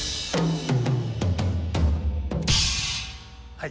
はい。